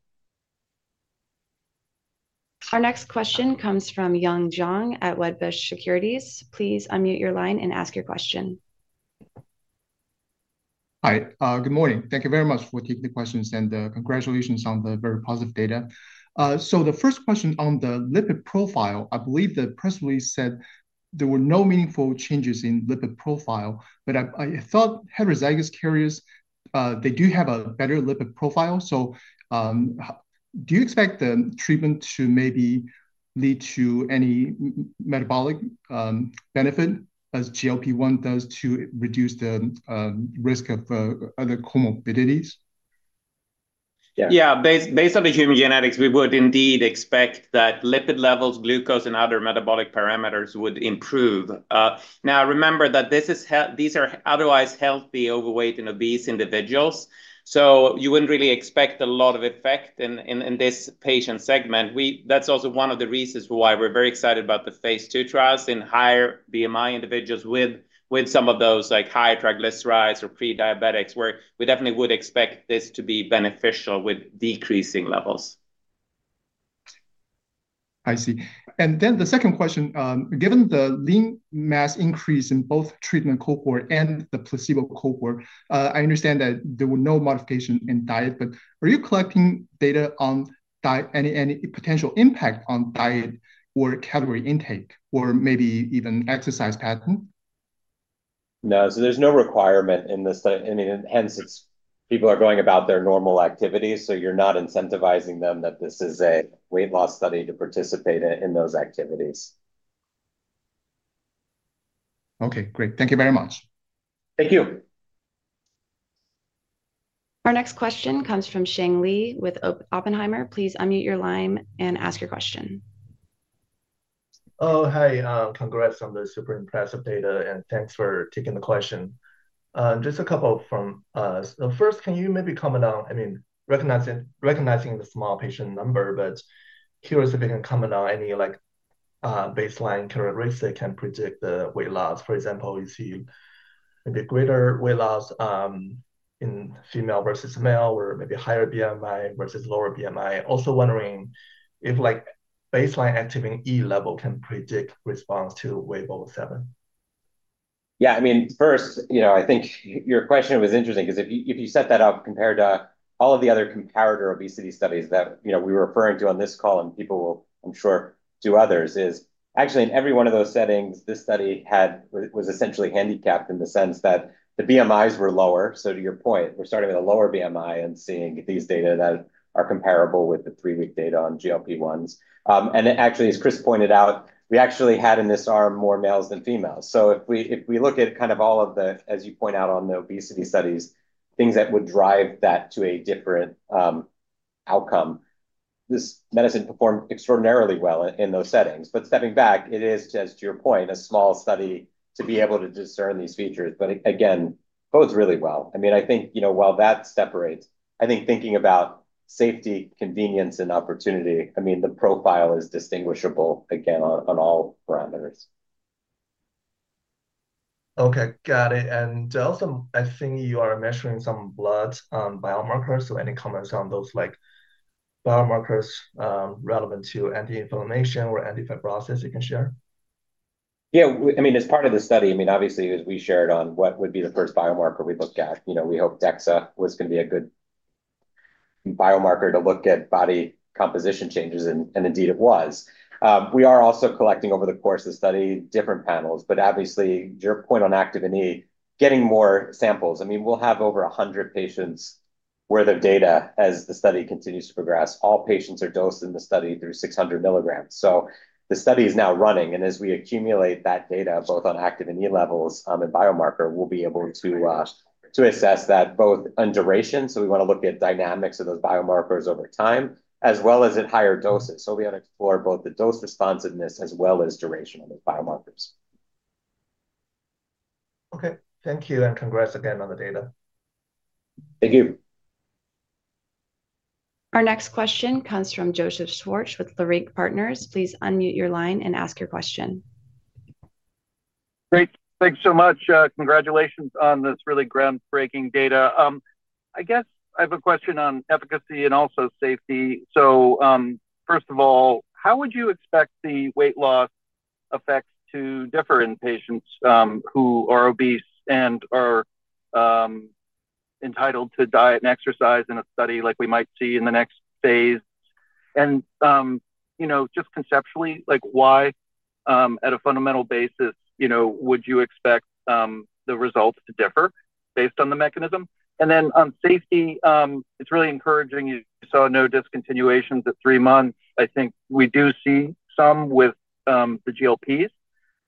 Our next question comes from Yun Zhong at Wedbush Securities. Please unmute your line and ask your question. Hi. Good morning. Thank you very much for taking the questions and congratulations on the very positive data. So the first question on the lipid profile, I believe the press release said there were no meaningful changes in lipid profile, but I thought heterozygous carriers, they do have a better lipid profile. So do you expect the treatment to maybe lead to any metabolic benefit as GLP-1 does to reduce the risk of other comorbidities? Yeah. Based on the human genetics, we would indeed expect that lipid levels, glucose, and other metabolic parameters would improve. Now, remember that these are otherwise healthy overweight and obese individuals. So you wouldn't really expect a lot of effect in this patient segment. That's also one of the reasons why we're very excited about the phase II trials in higher BMI individuals with some of those high triglycerides or prediabetics, where we definitely would expect this to be beneficial with decreasing levels. I see. And then the second question, given the lean mass increase in both treatment cohort and the placebo cohort, I understand that there were no modifications in diet, but are you collecting data on any potential impact on diet or calorie intake or maybe even exercise pattern? No. So there's no requirement in this study. I mean, hence, people are going about their normal activities, so you're not incentivizing them that this is a weight loss study to participate in those activities. Okay. Great. Thank you very much. Thank you. Our next question comes from Cheng Li with Oppenheimer. Please unmute your line and ask your question. Oh, hi. Congrats on the super impressive data, and thanks for taking the question. Just a couple from us. So first, can you maybe comment on, I mean, recognizing the small patient number, but curious if you can comment on any baseline characteristic can predict the weight loss? For example, you see maybe greater weight loss in female versus male or maybe higher BMI versus lower BMI. Also wondering if baseline Activin E level can predict response to WVE-007? Yeah. I mean, first, I think your question was interesting because if you set that up compared to all of the other comparator obesity studies that we were referring to on this call, and people will, I'm sure, do others, is actually in every one of those settings, this study was essentially handicapped in the sense that the BMIs were lower, so to your point, we're starting with a lower BMI and seeing these data that are comparable with the three-week data on GLP-1s, and actually, as Chris pointed out, we actually had in this arm more males than females, so if we look at kind of all of the, as you point out on the obesity studies, things that would drive that to a different outcome, this medicine performed extraordinarily well in those settings. But stepping back, it is, as to your point, a small study to be able to discern these features. But again, bodes really well. I mean, I think while that separates, I think thinking about safety, convenience, and opportunity, I mean, the profile is distinguishable again on all parameters. Okay. Got it. And also, I think you are measuring some blood biomarkers. So any comments on those biomarkers relevant to anti-inflammation or anti-fibrosis you can share? Yeah. I mean, as part of the study, I mean, obviously, as we shared on what would be the first biomarker we look at, we hope DEXA was going to be a good biomarker to look at body composition changes, and indeed it was. We are also collecting over the course of the study different panels. But obviously, to your point on Activin E, getting more samples. I mean, we'll have over 100 patients' worth of data as the study continues to progress. All patients are dosed in the study through 600 mgs. So the study is now running. And as we accumulate that data, both on Activin E levels and biomarker, we'll be able to assess that both on duration. So we want to look at dynamics of those biomarkers over time as well as at higher doses. So we want to explore both the dose responsiveness as well as duration of those biomarkers. Okay. Thank you and congrats again on the data. Thank you. Our next question comes from Joseph Schwartz with Leerink Partners. Please unmute your line and ask your question. Great. Thanks so much. Congratulations on this really groundbreaking data. I guess I have a question on efficacy and also safety. So first of all, how would you expect the weight loss effects to differ in patients who are obese and are entitled to diet and exercise in a study like we might see in the next phase? And just conceptually, why at a fundamental basis would you expect the results to differ based on the mechanism? And then on safety, it's really encouraging you saw no discontinuations at three months. I think we do see some with the GLPs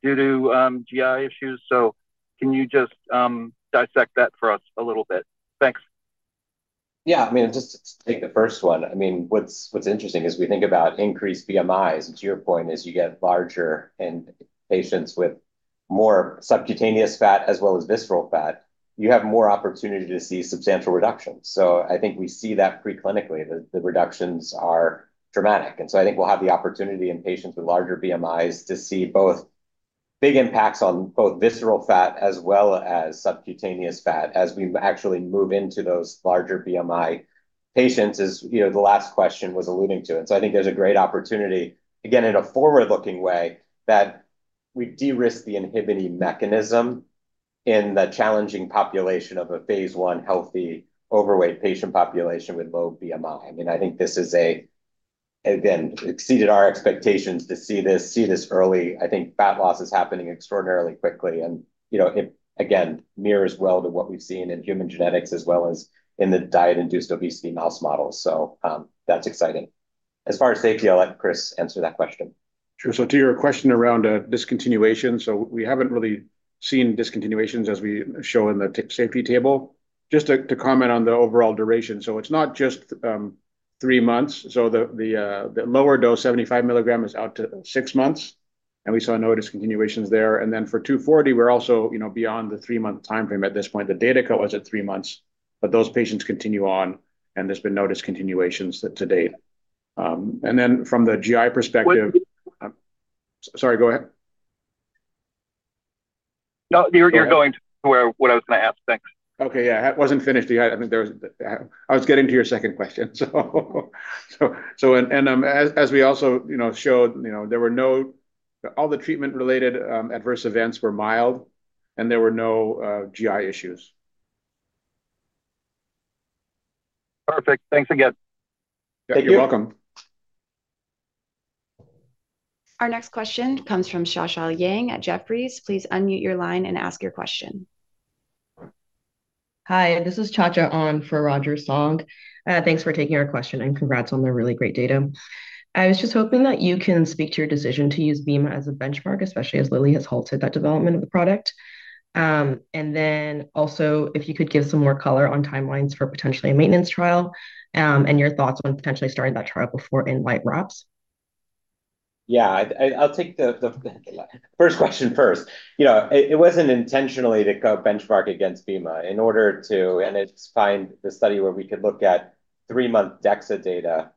due to GI issues. So can you just dissect that for us a little bit? Thanks. Yeah. I mean, just to take the first one. I mean, what's interesting is we think about increased BMIs. To your point, as you get larger and patients with more subcutaneous fat as well as visceral fat, you have more opportunity to see substantial reductions. So I think we see that preclinically, the reductions are dramatic. I think we'll have the opportunity in patients with larger BMIs to see both big impacts on both visceral fat as well as subcutaneous fat as we actually move into those larger BMI patients, as the last question was alluding to. I think there's a great opportunity, again, in a forward-looking way, that we de-risk the Inhibin E mechanism in the challenging population of a phase I healthy overweight patient population with low BMI. I mean, I think this is, again, exceeded our expectations to see this early. I think fat loss is happening extraordinarily quickly. And again, mirrors well to what we've seen in human genetics as well as in the diet-induced obesity mouse models. So that's exciting. As far as safety, I'll let Chris answer that question. Sure. So to your question around discontinuation, so we haven't really seen discontinuations as we show in the safety table. Just to comment on the overall duration. So it's not just three months. So the lower dose, 75 mg, is out to six months. And we saw no discontinuations there. And then for 240, we're also beyond the three-month timeframe at this point. The data was at three months, but those patients continue on, and there's been no discontinuations to date. And then from the GI perspective. Sorry, go ahead. No, you're going to what I was going to ask. Thanks. Okay. Yeah. I wasn't finished. I think I was getting to your second question. And as we also showed, there were no, all the treatment-related adverse events were mild, and there were no GI issues. Perfect. Thanks again. Thank you. You're welcome. Our next question comes from Cha Cha Yang at Jefferies. Please unmute your line and ask your question. Hi. This is Cha Cha on for Roger Song. Thanks for taking our question, and congrats on the really great data. I was just hoping that you can speak to your decision to use bimagrumab as a benchmark, especially as Lilly has halted that development of the product. And then also, if you could give some more color on timelines for potentially a maintenance trial and your thoughts on potentially starting that trial before INLIGHT wraps. Yeah. I'll take the first question first. It wasn't intentionally to go benchmark against bimagrumab in order to find the study where we could look at three-month DEXA data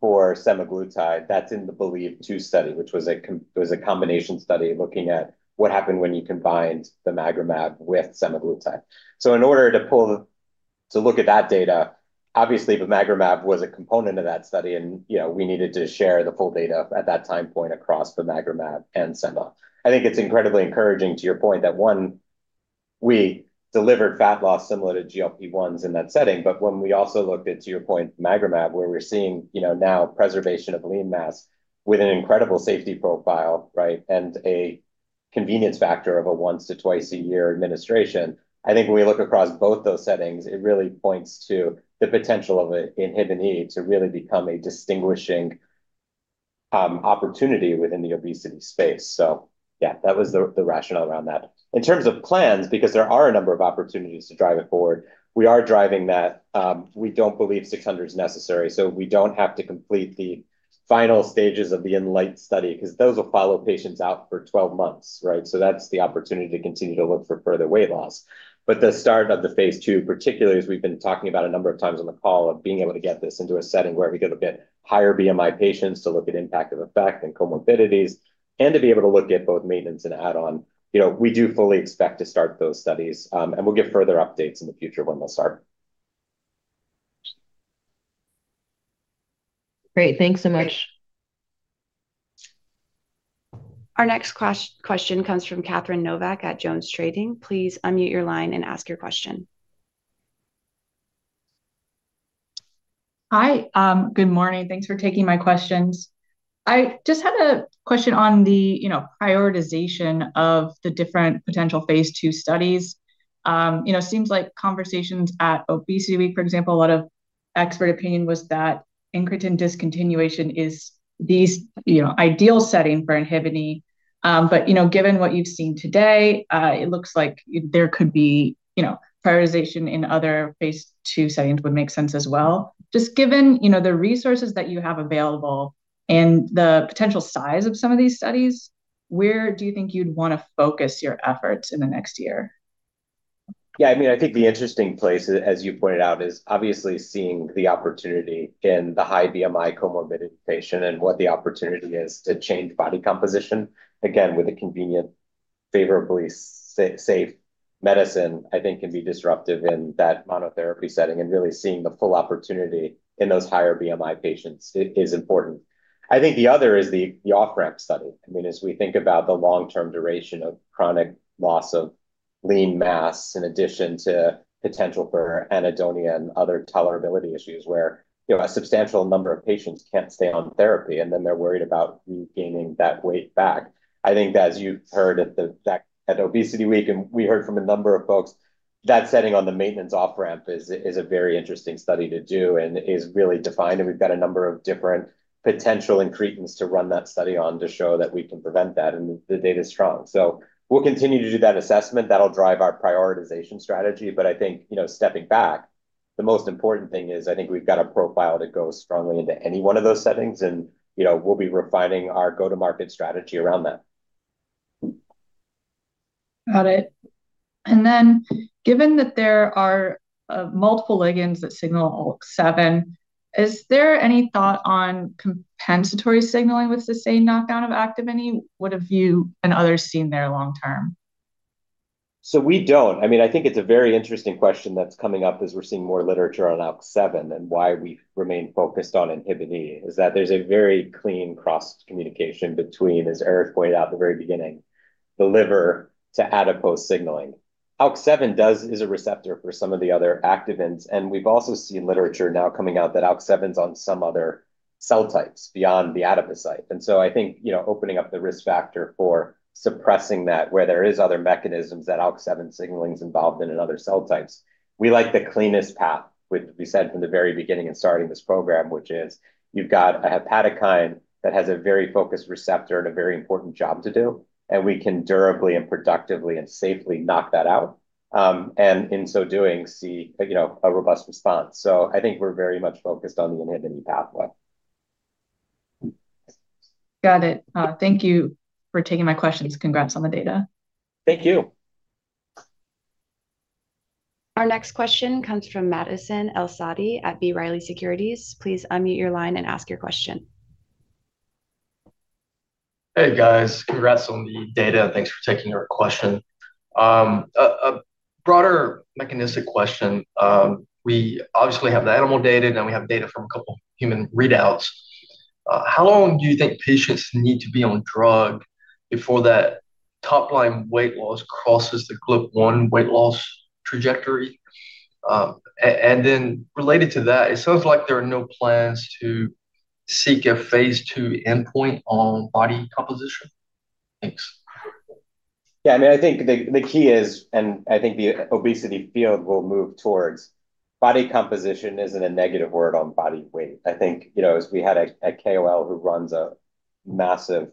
for semaglutide. That's in the BELIEVE 2 study, which was a combination study looking at what happened when you combined the bimagrumab with semaglutide. So in order to look at that data, obviously, the bimagrumab was a component of that study, and we needed to share the full data at that time point across the bimagrumab and sema. I think it's incredibly encouraging to your point that, one, we delivered fat loss similar to GLP-1s in that setting. But when we also looked at, to your point, bimagrumab, where we're seeing now preservation of lean mass with an incredible safety profile, right, and a convenience factor of a once to twice-a-year administration, I think when we look across both those settings, it really points to the potential of an INHBE inhibitor to really become a distinguishing opportunity within the obesity space. So yeah, that was the rationale around that. In terms of plans, because there are a number of opportunities to drive it forward, we are driving that. We don't believe 600 is necessary. So we don't have to complete the final stages of the INLIGHT study because those will follow patients out for 12 months, right? So that's the opportunity to continue to look for further weight loss. But the start of the phase II, particularly as we've been talking about a number of times on the call of being able to get this into a setting where we get a bit higher BMI patients to look at impact of effect and comorbidities and to be able to look at both maintenance and add-on, we do fully expect to start those studies. And we'll get further updates in the future when they'll start. Great. Thanks so much. Our next question comes from Catherine Novack at JonesTrading. Please unmute your line and ask your question. Hi. Good morning. Thanks for taking my questions. I just had a question on the prioritization of the different potential phase II studies. It seems like conversations at Obesity Week, for example, a lot of expert opinion was that incremental discontinuation is the ideal setting for Inhibin E. But given what you've seen today, it looks like there could be prioritization in other phase II settings would make sense as well. Just given the resources that you have available and the potential size of some of these studies, where do you think you'd want to focus your efforts in the next year? Yeah. I mean, I think the interesting place, as you pointed out, is obviously seeing the opportunity in the high BMI comorbidity patient and what the opportunity is to change body composition. Again, with a convenient, favorably safe medicine, I think can be disruptive in that monotherapy setting, and really seeing the full opportunity in those higher BMI patients is important. I think the other is the off-ramp study. I mean, as we think about the long-term duration of chronic loss of lean mass in addition to potential for anhedonia, other tolerability issues where a substantial number of patients can't stay on therapy, and then they're worried about regaining that weight back. I think that as you've heard at Obesity Week, and we heard from a number of folks, that setting on the maintenance off-ramp is a very interesting study to do and is really defined. And we've got a number of different potential increments to run that study on to show that we can prevent that, and the data is strong. So we'll continue to do that assessment. That'll drive our prioritization strategy. But I think stepping back, the most important thing is I think we've got a profile that goes strongly into any one of those settings, and we'll be refining our go-to-market strategy around that. Got it. And then given that there are multiple ligands that signal ALK7, is there any thought on compensatory signaling with sustained knockdown of Activin E? What have you and others seen there long-term? So we don't. I mean, I think it's a very interesting question that's coming up as we're seeing more literature on ALK7 and why we remain focused on Inhibin E is that there's a very clean cross-communication between, as Erik pointed out at the very beginning, the liver to adipose signaling. ALK7 is a receptor for some of the other activins. And we've also seen literature now coming out that ALK7 is on some other cell types beyond the adipocyte. And so I think opening up the risk factor for suppressing that where there are other mechanisms that ALK7 signaling is involved in in other cell types. We like the cleanest path, which we said from the very beginning and starting this program, which is you've got a hepatokine that has a very focused receptor and a very important job to do, and we can durably and productively and safely knock that out and in so doing see a robust response. So I think we're very much focused on the inhibiting pathway. Got it. Thank you for taking my questions. Congrats on the data. Thank you. Our next question comes from Madison El-Saadi at B. Riley Securities. Please unmute your line and ask your question. Hey, guys. Congrats on the data. Thanks for taking our question. A broader mechanistic question. We obviously have the animal data, and then we have data from a couple of human readouts. How long do you think patients need to be on drug before that top-line weight loss crosses the GLP-1 weight loss trajectory? And then related to that, it sounds like there are no plans to seek a phase II endpoint on body composition. Thanks. Yeah. I mean, I think the key is, and I think the obesity field will move towards body composition, isn't a negative word on body weight. I think as we had a KOL who runs a massive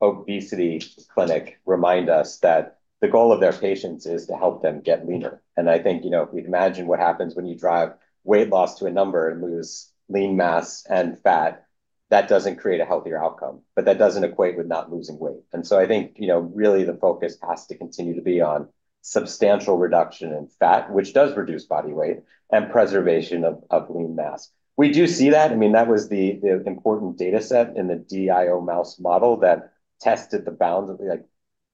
obesity clinic remind us that the goal of their patients is to help them get leaner. And I think if you imagine what happens when you drive weight loss to a number and lose lean mass and fat, that doesn't create a healthier outcome, but that doesn't equate with not losing weight. And so I think really the focus has to continue to be on substantial reduction in fat, which does reduce body weight and preservation of lean mass. We do see that. I mean, that was the important dataset in the DIO mouse model that tested the bounds.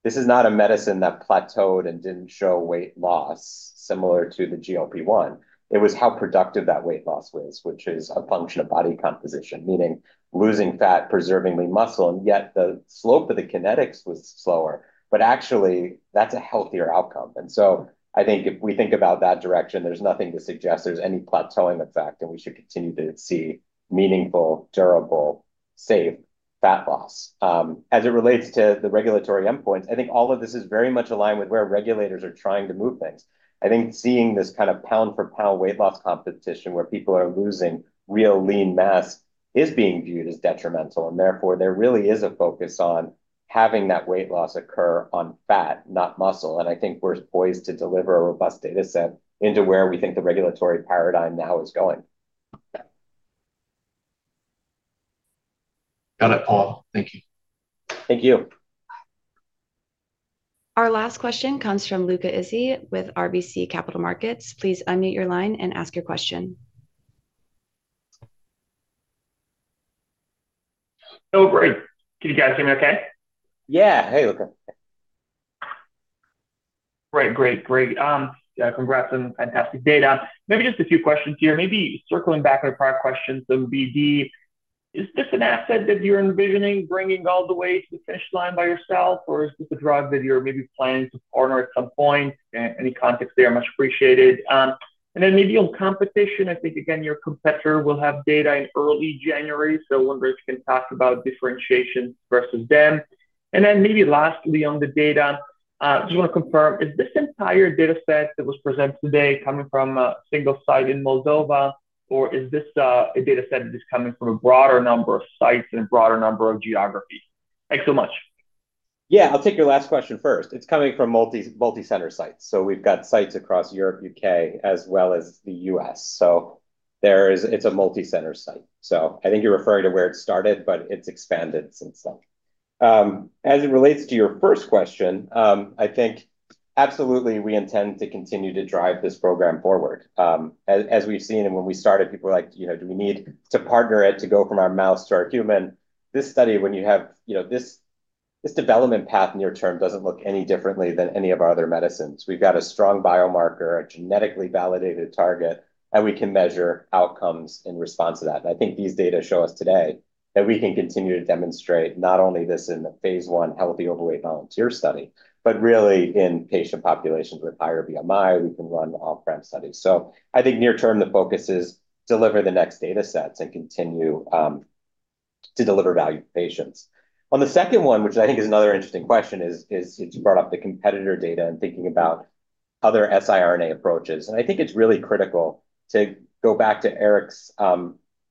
This is not a medicine that plateaued and didn't show weight loss similar to the GLP-1. It was how productive that weight loss was, which is a function of body composition, meaning losing fat, preserving the muscle, and yet the slope of the kinetics was slower, but actually that's a healthier outcome, and so I think if we think about that direction, there's nothing to suggest there's any plateauing effect, and we should continue to see meaningful, durable, safe fat loss. As it relates to the regulatory endpoints, I think all of this is very much aligned with where regulators are trying to move things. I think seeing this kind of pound-for-pound weight loss competition where people are losing real lean mass is being viewed as detrimental, and therefore, there really is a focus on having that weight loss occur on fat, not muscle. I think we're poised to deliver a robust dataset into where we think the regulatory paradigm now is going. Got it, Paul. Thank you. Thank you. Our last question comes from Luca Issi with RBC Capital Markets. Please unmute your line and ask your question. Oh, great. Can you guys hear me okay? Yeah. Hey, Luca. Great. Great. Great. Congrats on the fantastic data. Maybe just a few questions here. Maybe circling back to the prior question, so BD, is this an asset that you're envisioning bringing all the way to the finish line by yourself, or is this a drug that you're maybe planning to partner at some point? Any context there is much appreciated. And then maybe on competition, I think, again, your competitor will have data in early January. So I wonder if you can talk about differentiation versus them. And then maybe lastly on the data, I just want to confirm, is this entire dataset that was presented today coming from a single site in Moldova, or is this a dataset that is coming from a broader number of sites and a broader number of geographies? Thanks so much. Yeah. I'll take your last question first. It's coming from multi-center sites. So we've got sites across Europe, U.K., as well as the U.S. So it's a multi-center site. So I think you're referring to where it started, but it's expanded since then. As it relates to your first question, I think absolutely we intend to continue to drive this program forward. As we've seen, and when we started, people were like, "Do we need to partner it to go from our mouse to our human?" This study, when you have this development path near term, doesn't look any differently than any of our other medicines. We've got a strong biomarker, a genetically validated target, and we can measure outcomes in response to that. I think these data show us today that we can continue to demonstrate not only this in the phase I healthy overweight volunteer study, but really in patient populations with higher BMI, we can run off-ramp studies. I think near term, the focus is to deliver the next datasets and continue to deliver value to patients. On the second one, which I think is another interesting question, is you brought up the competitor data and thinking about other siRNA approaches. I think it's really critical to go back to Erik's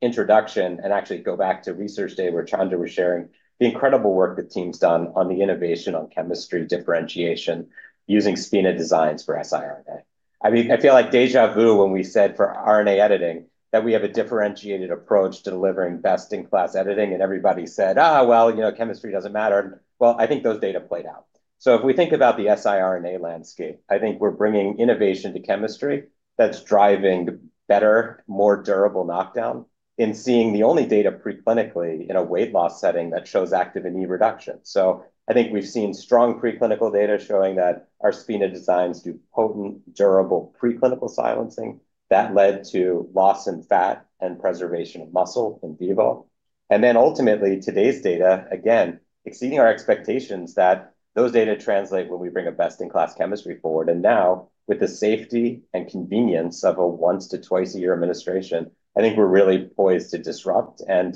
introduction and actually go back to research day where Chandra was sharing the incredible work that team's done on the innovation on chemistry differentiation using SpiNA designs for siRNA. I mean, I feel like déjà vu when we said for RNA editing that we have a differentiated approach to delivering best-in-class editing, and everybody said, well, chemistry doesn't matter. Well, I think those data played out. So if we think about the siRNA landscape, I think we're bringing innovation to chemistry that's driving better, more durable knockdown in seeing the only data preclinically in a weight loss setting that shows Activin E reduction. So I think we've seen strong preclinical data showing that our SpiNA designs do potent, durable preclinical silencing that led to loss in fat and preservation of muscle in vivo. And then ultimately, today's data, again, exceeding our expectations that those data translate when we bring a best-in-class chemistry forward. And now, with the safety and convenience of a once to twice-a-year administration, I think we're really poised to disrupt and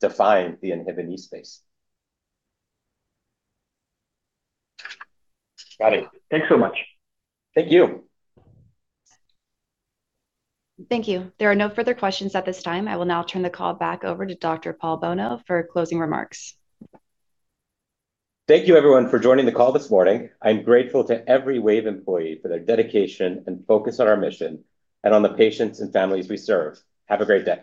define the Inhibin E space. Got it. Thanks so much. Thank you. Thank you. There are no further questions at this time. I will now turn the call back over to Dr. Paul Bolno for closing remarks. Thank you, everyone, for joining the call this morning. I'm grateful to every Wave employee for their dedication and focus on our mission and on the patients and families we serve. Have a great day.